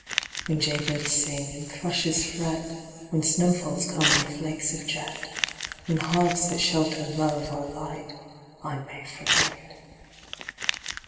When jay birds sing, and thrushes fret, When snowfalls come in flakes of jet, When hearts that shelter love are light, I may forget.